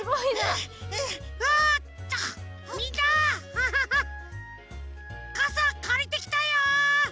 ハハハかさかりてきたよ！